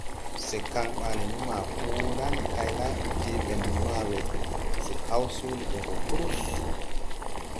Se kaŋ ɓaale ne mapo la ne kay la, jee ɓɛn wãã we, se haw soole ɓe gɔ krus.